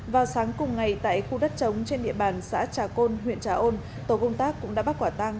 vào sáng cùng ngày tại khu đất trống trên địa bàn xã trà côn huyện trà ôn tổ công tác cũng đã bắt quả tăng